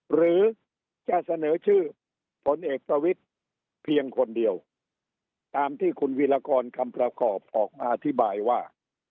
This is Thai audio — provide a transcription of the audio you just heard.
หรือจะเสนอชื่อผลเอกประวิทย์เพียงคนเดียวตามที่คุณวิรากรคำประกอบออกมาอธิบายว่า